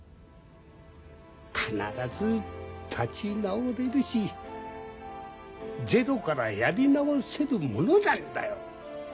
必ず立ち直れるしゼロからやり直せるものなんだよ。